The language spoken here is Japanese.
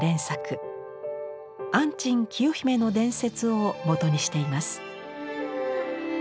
安珍・清姫の伝説をもとにしています。